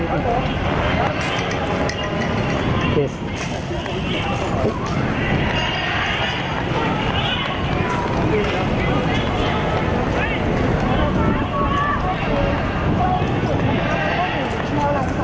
สวัสดีครับผม